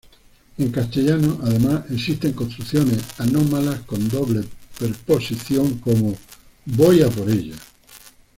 En castellano además existen construcciones anómalas con doble preposición como: "voy a por ella".